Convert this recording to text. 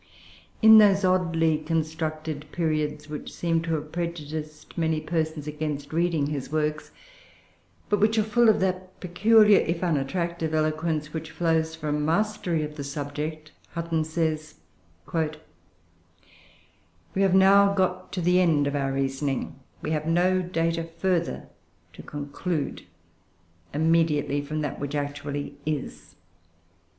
In those oddly constructed periods which seem to have prejudiced many persons against reading his works, but which are full of that peculiar, if unattractive, eloquence which flows from mastery of the subject, Hutton says: "We have now got to the end of our reasoning; we have no data further to conclude immediately from that which actually is.